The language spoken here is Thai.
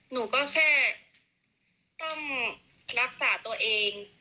หนูก็แค่ต้องรักษาตัวเอง